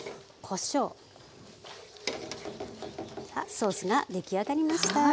ソースが出来上がりました。